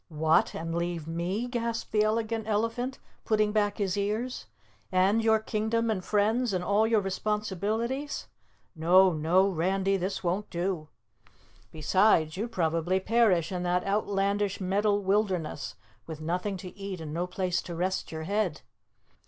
"What? And leave ME?" gasped the Elegant Elephant, putting back his ears, "and your Kingdom and friends and all your responsibilities? No, no, Randy, this won't do. Besides, you'd probably perish in that outlandish metal wilderness with nothing to eat and no place to rest your head.